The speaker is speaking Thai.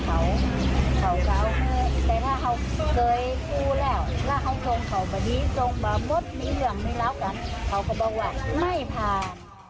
เขาก็บอกว่าไม่ผ่าน